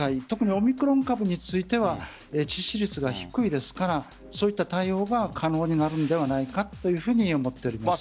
特にオミクロン株については致死率が低いですからそういった対応が可能になるのではないかというふうに思っています。